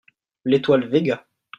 L'étoile Véga.